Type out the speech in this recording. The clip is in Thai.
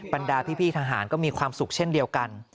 บรรดาพี่ทหารก็มีความสุขเช่นเดียวกัน